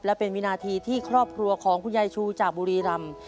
และเป็นวินาทีที่ครอบครัวของคุณยายชูจากบุรีรำ